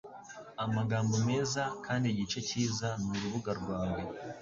amagambo meza kandi igice cyiza nurubuga rwawe